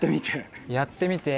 やってみて。